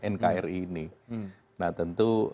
nkri ini nah tentu